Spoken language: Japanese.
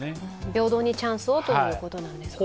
平等にチャンスをということなんですね。